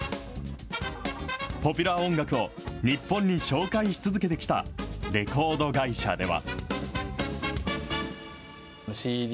ポピュラー音楽を日本に紹介し続けてきたレコード会社では。